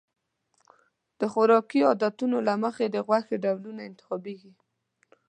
د خوراکي عادتونو له مخې د غوښې ډولونه انتخابېږي.